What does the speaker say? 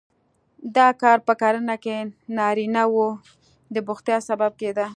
دا کار په کرنه کې نارینه وو د بوختیا سبب کېده.